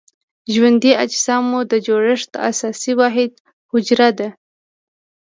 ژوندي اجسامو د جوړښت اساسي واحد حجره ده.